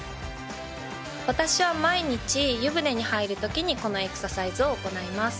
私は毎日湯船に入るときにこのエクササイズを行います。